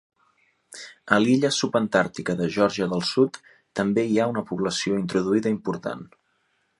A l'illa subantàrtica de Geòrgia del Sud també hi ha una població introduïda important.